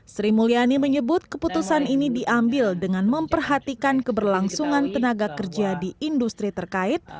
sri mulyani menyebut keputusan ini diambil dengan memperhatikan keberlangsungan tenaga kerja di industri terkait